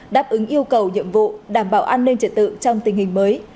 đáp ứng yêu cầu nhiệm vụ đảm bảo an ninh trật tự trong tình hình mới